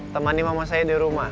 temani mama saya di rumah